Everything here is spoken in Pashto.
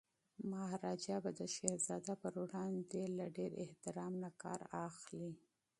مهاراجا به د شهزاده پر وړاندي له ډیر احترام نه کار اخلي.